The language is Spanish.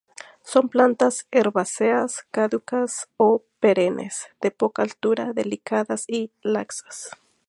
Son plantas herbáceas caducas o perennes, de poca altura, delicadas y laxas.